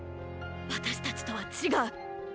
私たちとは違う。